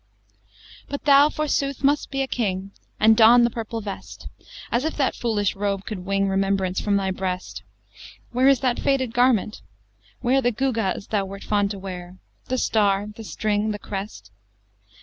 XVIII But thou forsooth must be a king, And don the purple vest, As if that foolish robe could wring Remembrance from thy breast. Where is that faded garment? where The gewgaws thou wert fond to wear, The star, the string, the crest?